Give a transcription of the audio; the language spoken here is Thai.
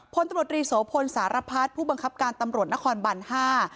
พลตำรวจรีโสพลสารพัฒน์ผู้บังคับการตำรวจนครบันห้า